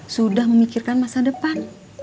sudah memikirkan masa depan